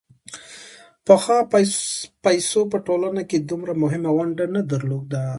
پخوا پیسو په ټولنه کې دومره مهمه ونډه نه درلوده